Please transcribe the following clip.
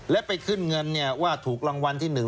และไปขึ้นเงินเนี่ยว่าถูกรางวัลที่หนึ่ง